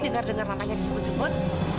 dengar dengar namanya disebut sebut